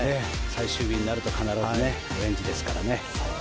最終日になると必ずオレンジですからね。